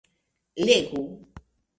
legu